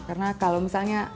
karena kalau misalnya